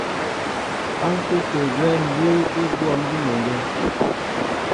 Á ŋ̀kú' tə̂ gwɛ́ mbʉ́ʉ́ í gwɔ̂ gʉ́meŋgeŋ.